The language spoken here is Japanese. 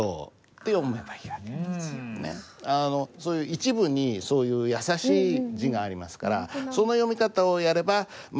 一部にそういう易しい字がありますからその読み方をやればまあコツ。